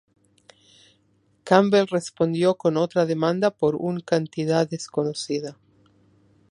Campbell respondió con otra demanda por un cantidad desconocida.